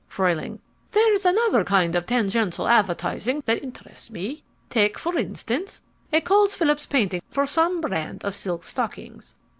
FRUEHLING There's another kind of tangential advertising that interests me. Take, for instance, a Coles Phillips painting for some brand of silk stockings.